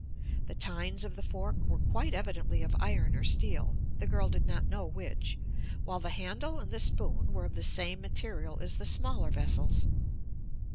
The tines of the fork were quite evidently of iron or steel, the girl did not know which, while the handle and the spoon were of the same material as the smaller vessels.